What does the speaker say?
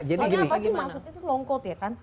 soalnya apa sih maksudnya long coat ya kan